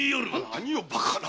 何をバカな！